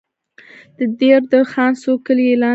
د دیر د خان څو کلي یې لاندې کړل.